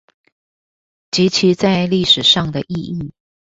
及其在歷史上的意義